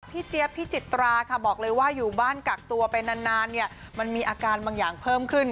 พี่แจ๊ปพี่จิตราบอกเลยว่าอยู่บ้านกากตัวไปนานมันมีอาการบางอย่างเพิ่มขึ้น